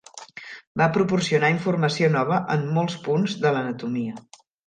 Va proporcionar informació nova en molts punts de l'anatomia.